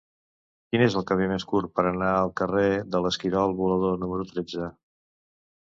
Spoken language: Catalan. Quin és el camí més curt per anar al carrer de l'Esquirol Volador número tretze?